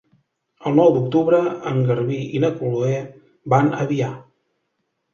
El nou d'octubre en Garbí i na Chloé van a Avià.